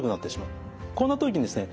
こんな時にですね